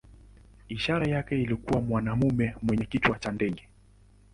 Ishara yake ilikuwa mwanamume mwenye kichwa cha ndege.